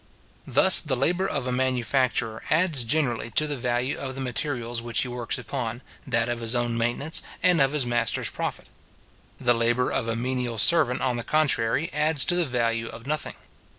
} Thus the labour of a manufacturer adds generally to the value of the materials which he works upon, that of his own maintenance, and of his master's profit. The labour of a menial servant, on the contrary, adds to the value of nothing.